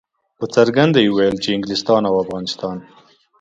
په څرګنده یې ویل چې انګلستان او افغانستان.